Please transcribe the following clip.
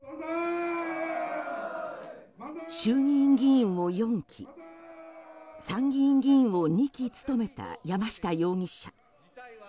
衆議院議員を４期参議院議員を２期務めた山下容疑者。